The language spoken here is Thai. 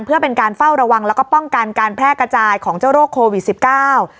เพื่อเป็นการเฝ้าระวังแล้วก็ป้องกันการแพร่กระจายของเจ้าโรคโควิดสิบเก้า